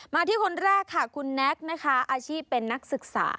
ที่คนแรกค่ะคุณแน็กนะคะอาชีพเป็นนักศึกษา